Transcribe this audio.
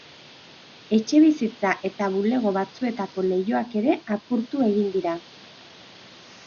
Etxebizitza eta bulego batzuetako leihoak ere apurtu egin dira.